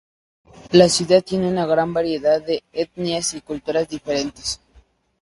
La ciudad tiene una gran variedad de etnias y culturas diferentes.